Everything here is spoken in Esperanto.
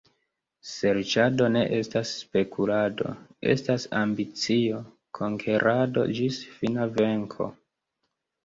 Serĉado ne estas spekulado, estas ambicio, konkerado ĝis fina venko.